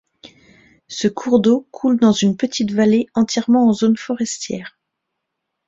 Ce cours d’eau coule dans une petite vallée entièrement en zone forestière.